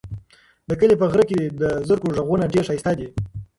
د کلي په غره کې د زرکو غږونه ډېر ښایسته دي.